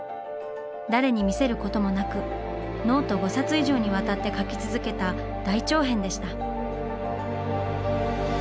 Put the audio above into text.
誰に見せることもなくノート５冊以上にわたって描き続けた大長編でした。